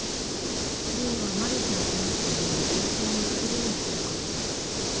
竜は魔力のこもった物を営巣の材料にするからね。